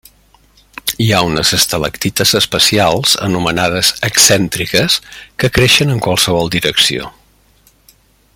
Hi ha unes estalactites especials, anomenades excèntriques, que creixen en qualsevol direcció.